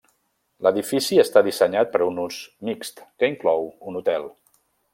L'edifici està dissenyat per un ús mixt que inclou un hotel.